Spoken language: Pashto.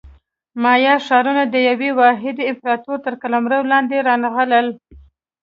مایا ښارونه د یوې واحدې امپراتورۍ تر قلمرو لاندې رانغلل.